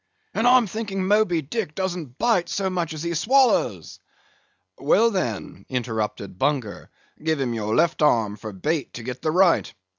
And I'm thinking Moby Dick doesn't bite so much as he swallows." "Well, then," interrupted Bunger, "give him your left arm for bait to get the right.